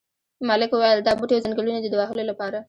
ملک وویل دا بوټي او ځنګلونه دي د وهلو لپاره.